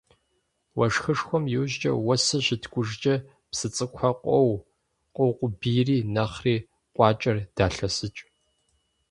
Уэшхышхуэм иужькӀэ, уэсыр щыткӀужкӀэ псы цӀыкӀухэр къоу, къоукъубийри нэхъри къуакӀэр далъэсыкӀ.